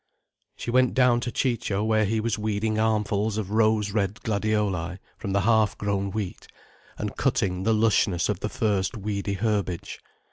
She went down to Ciccio where he was weeding armfuls of rose red gladioli from the half grown wheat, and cutting the lushness of the first weedy herbage.